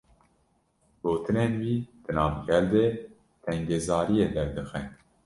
Gotinên wî, di nava gel de tengezariyê derdixe